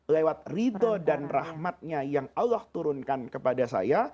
lewat ridho dan rahmatnya yang allah turunkan kepada saya